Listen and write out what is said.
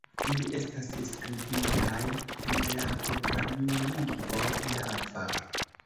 Ili estas skribitaj en la programlingvo Java.